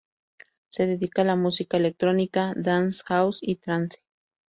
Se dedica a la música electrónica, dance, house y trance.